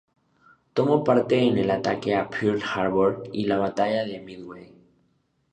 Tomó parte en el ataque a Pearl Harbor y la batalla de Midway.